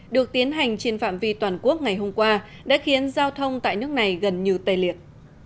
được tiến hành trên phạm vi toàn quốc ngày hôm qua đã khiến giao thông tại nước này gần như tê liệt